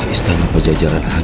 itu apa itu